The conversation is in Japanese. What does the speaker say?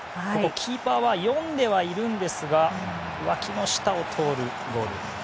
キーパーは読んではいるんですがわきの下を通るゴール。